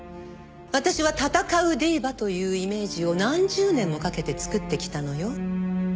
私は闘うディーバというイメージを何十年もかけて作ってきたのよ。